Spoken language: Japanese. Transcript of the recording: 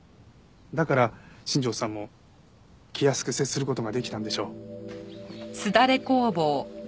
だから新庄さんも気安く接する事ができたんでしょう。